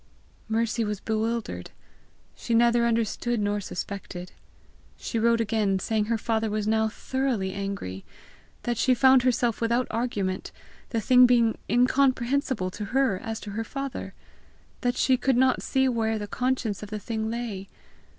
Mercy was bewildered. She neither understood nor suspected. She wrote again, saying her father was now thoroughly angry; that she found herself without argument, the thing being incomprehensible to her as to her father; that she could not see where the conscience of the thing lay.